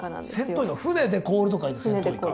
船で凍ると書いて船凍イカ？